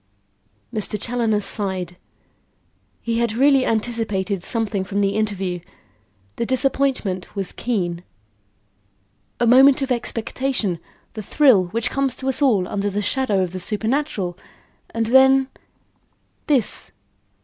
Mr. Challoner sighed; he had really anticipated something from the interview. The disappointment was keen. A moment of expectation; the thrill which comes to us all under the shadow of the supernatural, and then this!